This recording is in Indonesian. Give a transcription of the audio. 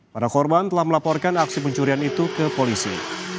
para korban telah melaporkan aksi pencurian itu ke polisi